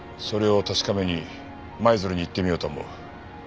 それを確かめに舞鶴に行ってみようと思う。